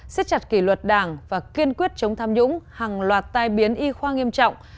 xiết chặt kỷ luật đảng và kiên quyết chống tham nhũng hàng loạt tai biến y khoa nghiêm trọng